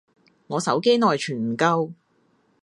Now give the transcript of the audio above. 我手機內存唔夠